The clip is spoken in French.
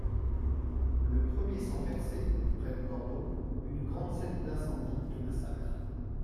Le premier sang versé (près de Bordeaux), une grande scène d'incendie, de massacre.